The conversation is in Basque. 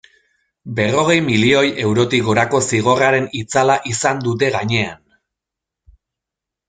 Berrogei milioi eurotik gorako zigorraren itzala izan dute gainean.